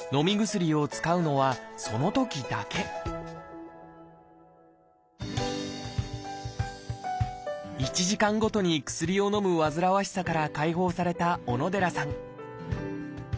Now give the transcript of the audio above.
薬を使うのはそのときだけ１時間ごとに薬をのむ煩わしさから解放された小野寺さん